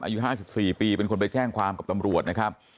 อายุ๕๔ปีเป็นคนไปแจ้งความกับตำรวจนะครับ